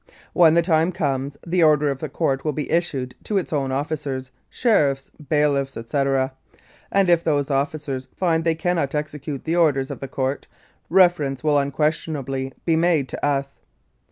When the time comes, the order of the Court will be issued to its own officers, sheriffs, bailiffs, etc., and if those officers find that they cannot execute the orders of the Court, reference will unquestionably be made to us.